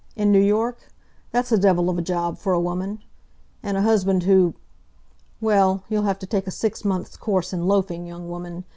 In New York? That's a devil of a job for a woman. And a husband who... Well, you'll have to take a six months' course in loafing, young woman.